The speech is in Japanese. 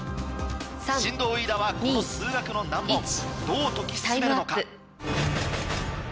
神童飯田はこの数学の難問どう解き進めるのか？